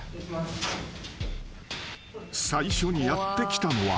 ［最初にやって来たのは］